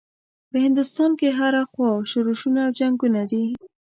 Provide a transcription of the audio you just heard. په هندوستان کې هره خوا شورشونه او جنګونه دي.